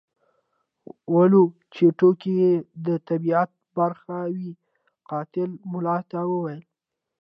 ولو چې ټوکې یې د طبیعت برخه وې قاتل ملا ته وویل.